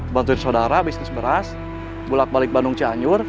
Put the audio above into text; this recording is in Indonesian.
bantuin sodara bisnis beras bulat balik bandung cianyur